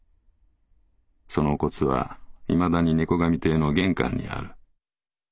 そのお骨はいまだに猫神亭の玄関にある。